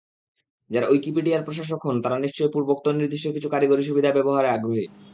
যারা উইকিপিডিয়ার প্রশাসক হন, তারা নিশ্চয় পূর্বোক্ত নির্দিষ্ট কিছু কারিগরী সুবিধা ব্যবহারে আগ্রহী।